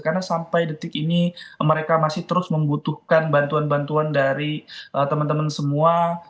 karena sampai detik ini mereka masih terus membutuhkan bantuan bantuan dari teman teman semua